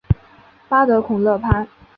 巴德孔勒潘。